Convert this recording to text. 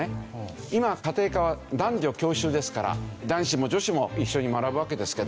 今家庭科は男女教習ですから男子も女子も一緒に学ぶわけですけど。